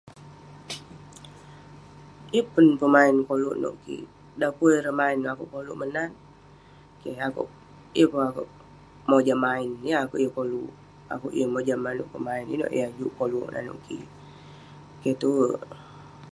Yeng pun pemain koluk nouk kik. Dan pun ireh main, akouk koluk menat. Keh akouk. Yeng pun akouk mojam main, yeng akouk yeng koluk. akouk yeng mojam manouk pemain inouk Yah juk koluk nanouk kik. Keh tue.